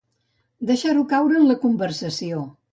Deixar-ho caure en la conversació.